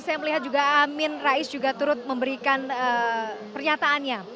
saya melihat juga amin rais juga turut memberikan pernyataannya